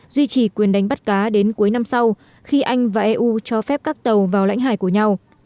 duy trì quyền đánh bắt cá đến cuối năm sau khi anh và eu cho phép các tàu vào lãnh hải của nhau